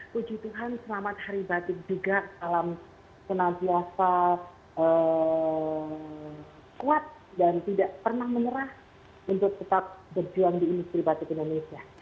puji tuhan selamat hari batik juga salam senantiasa kuat dan tidak pernah menyerah untuk tetap berjuang di industri batik indonesia